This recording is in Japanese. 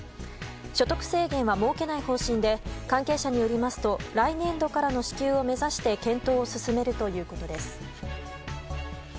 所得制限は設けない方針で関係者によりますと来年度からの支給を目指して検討を進めるということです。